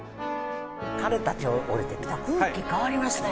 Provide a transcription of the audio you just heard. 彼たちが降りてきたら空気変わりますね。